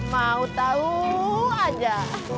mau tahu aja